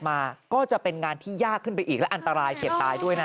มาก็จะเป็นงานที่ยากขึ้นไปอีกและอันตรายเฉียดตายด้วยนะ